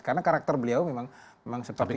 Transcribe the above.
karena karakter beliau memang seperti itu